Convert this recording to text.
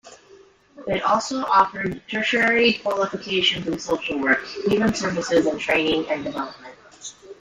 It also offered tertiary qualifications in social work, human services and training and development.